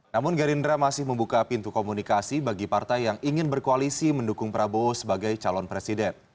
namun gerindra masih membuka pintu komunikasi bagi partai yang ingin berkoalisi mendukung prabowo sebagai calon presiden